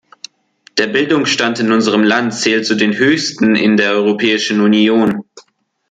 Der Bildungsstand in unserem Land zählt zu den höchsten in der Europäischen Union.